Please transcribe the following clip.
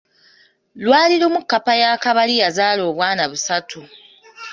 Lwali lumu kkapa ya Kabali yazaala obwana busatu.